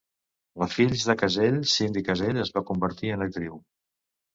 La fills de Cassell, Cindy Cassell, es va convertir en actriu.